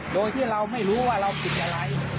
โดยที่เราไม่รู้ว่าเราผิดอะไร